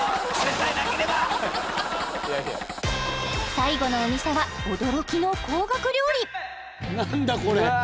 最後のお店は驚きの高額料理うわあ